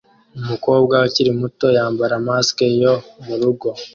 Umukobwa ukiri muto yambara mask yo murugo